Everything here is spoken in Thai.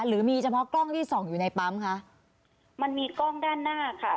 หรือมีเฉพาะกล้องที่ส่องอยู่ในปั๊มคะมันมีกล้องด้านหน้าค่ะ